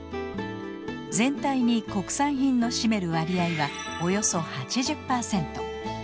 全体に国産品の占める割合はおよそ８０％。